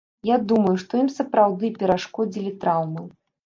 Я думаю, што ім сапраўды перашкодзілі траўмы.